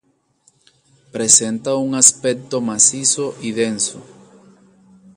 Presenta un aspecto macizo y denso.